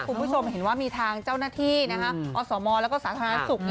คุณผู้ชมเห็นว่ามีทางเจ้าหน้าที่อสมแล้วก็สาธารณสุข